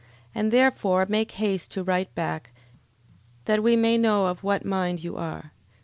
11:37. And therefore make haste to write back, that we may know of what mind you are.